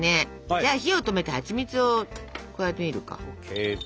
じゃあ火を止めてはちみつを加えてみるか。ＯＫ。